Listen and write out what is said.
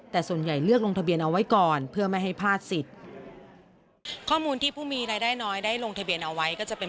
แต่ส่วนใหญ่เลือกลงทะเบียนเอาไว้ก่อน